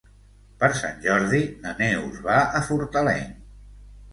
Per Sant Jordi na Neus va a Fortaleny.